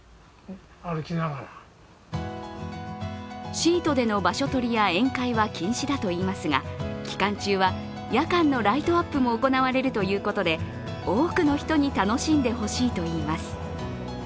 シートでの場所取りや宴会は禁止だといいますが、期間中は夜間のライトアップも行われるということで、多くの人に楽しんでほしいといいます。